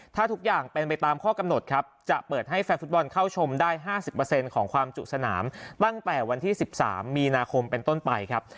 ถ้าทุกอย่างเป็นไปตามข้อกำหนดครับจะเปิดให้แฟนฟุตบอลเข้าชมได้๕๐ของความจุสนามตั้งแต่วันที่๑๓มีนาคมเป็นต้นไปครับ